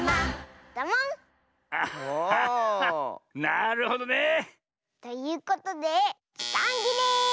なるほどね。ということでじかんぎれ！